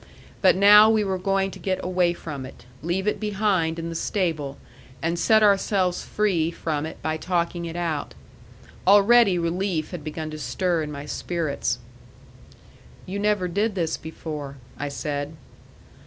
But now we were going to get away from it; leave it behind in the stable, and set ourselves free from it by talking it out. Already relief had begun to stir in my spirits. "You never did this before," I said.